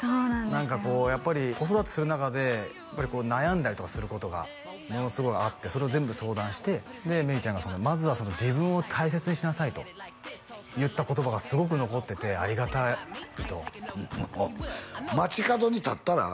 何かこうやっぱり子育てする中で悩んだりとかすることがものすごいあってそれを全部相談してで芽郁ちゃんが「まずは自分を大切にしなさい」と言った言葉がすごく残っててありがたいともう街角に立ったら？